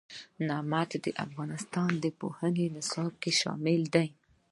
نمک د افغانستان د پوهنې نصاب کې شامل دي.